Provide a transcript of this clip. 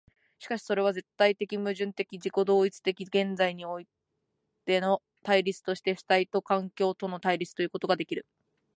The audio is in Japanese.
しかしてそれは絶対矛盾的自己同一的現在においての対立として主体と環境との対立ということができる。